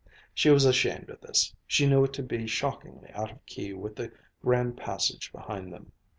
She was ashamed of this, she knew it to be shockingly out of key with the grand passage behind them.